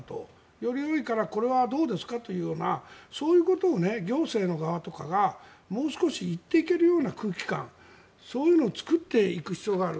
よりよいからこれはどうですかとそういうことを行政の側とかもう少し言っていけるような空気感を作っていく必要がある。